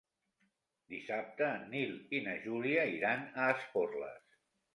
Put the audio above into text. Dissabte en Nil i na Júlia iran a Esporles.